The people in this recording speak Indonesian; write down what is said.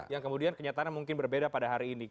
yang kemudian kenyataannya mungkin berbeda pada hari ini